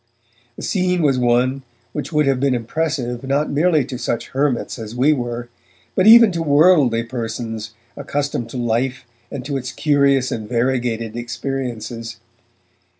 The scene was one which would have been impressive, not merely to such hermits as we were, but even to worldly persons accustomed to life and to its curious and variegated experiences.